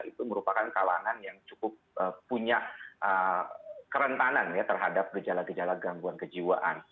itu merupakan kalangan yang cukup punya kerentanan ya terhadap gejala gejala gangguan kejiwaan